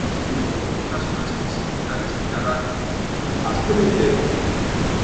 No hubo una zona específica destinada a cementerio.